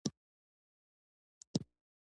د ځمکې لاندې اوبو تغذیه مهمه ده